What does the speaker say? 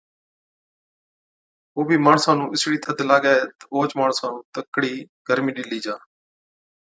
ڪو بِي ماڻسا نُون اِسڙِي ٿڌ لاگَي تہ اوهچ ماڻسا نُون تڪڙِي گرمِي ڏِلِي جا،